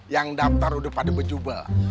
yang daftar udah pada bejubel